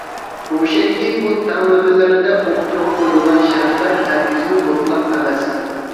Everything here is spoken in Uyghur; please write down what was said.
روشەنكى، بۇ تەڭلىمىلەردە ئوتتۇرىغا قويۇلغان شەرتلەر ھەرگىزمۇ مۇتلەق ئەمەس.